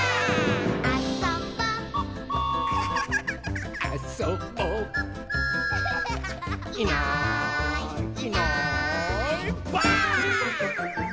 「あそぼ」「あそぼ」「いないいないばあっ！」